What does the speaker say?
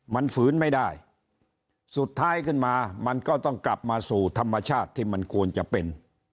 มันฝืนไม่ได้สุดท้ายขึ้นมามันก็ต้องกลับมาสู่ธรรมชาติที่มันควรจะเป็น